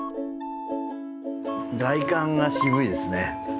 外観が渋いですね。